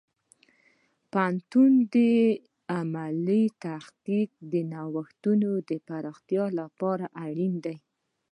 پوهنتون د علمي تحقیق د نوښتونو د پراختیا لپاره اړین دی.